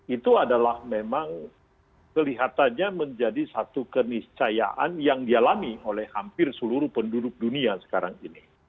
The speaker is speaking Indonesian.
itu adalah memang kelihatannya menjadi satu keniscayaan yang dialami oleh hampir seluruh penduduk dunia sekarang ini